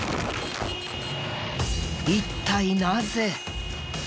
一体なぜ？